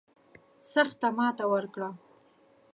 سخته ماته ورکړه.